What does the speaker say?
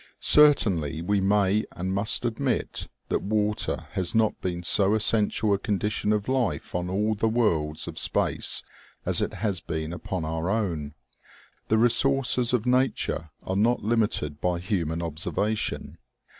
Certainly we may and must admit that water has not been so essential a condition of life on all the worlds of space as it has been upon our own. The resources of nature are not limited by human observation.